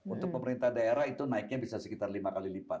untuk pemerintah daerah itu naiknya bisa sekitar lima kali lipat